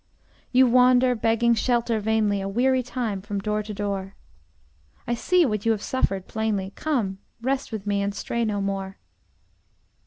You wander begging shelter vainly A weary time from door to door; I see what you have suffered plainly: Come, rest with me and stray no more!